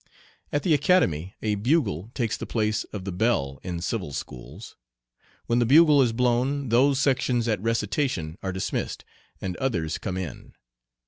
At the Academy a bugle takes the place of the bell in civil schools. When the bugle is blown those sections at recitation are dismissed, and others come in.